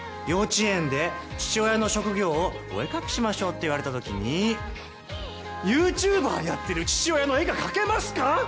幼稚園で父親の職業をお絵描きしましょうって言われたときにユーチューバーやってる父親の絵が描けますか？